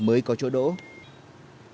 cảm ơn các bạn đã theo dõi và hẹn gặp lại